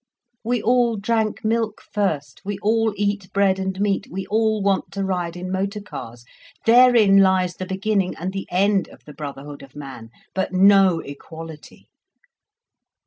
We all drank milk first, we all eat bread and meat, we all want to ride in motor cars—therein lies the beginning and the end of the brotherhood of man. But no equality.